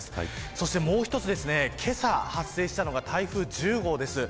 そしてもう一つけさ発生したのが台風１０号です。